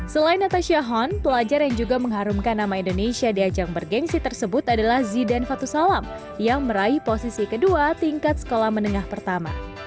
selain natasha hon pelajar yang juga mengharumkan nama indonesia di ajang bergensi tersebut adalah zidan fatusalam yang meraih posisi kedua tingkat sekolah menengah pertama